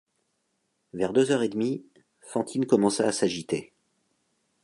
Vers deux heures et demie, Fantine commença à s’agiter.